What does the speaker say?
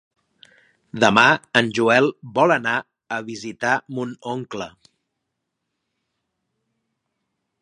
Demà en Joel vol anar a visitar mon oncle.